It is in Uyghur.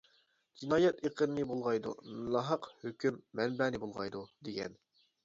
جىنايەت ئېقىننى بۇلغايدۇ، ناھەق ھۆكۈم مەنبەنى بۇلغايدۇ، دېگەن.